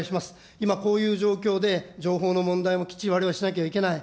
今、こういう状況で、情報の問題もきっちり、われわれはしなきゃいけない。